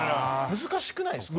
難しくないですか？